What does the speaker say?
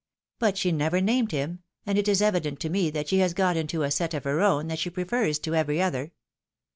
But she never named him, and it is evident to me that she has got into a set of her own that she prefers to every other.